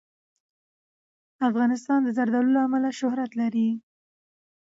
افغانستان د زردالو له امله شهرت لري.